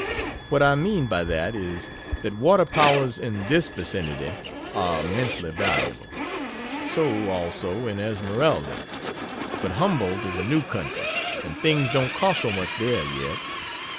What I mean by that, is, that water powers in THIS vicinity, are immensely valuable. So, also, in Esmeralda. But Humboldt is a new country, and things don't cost so much there yet.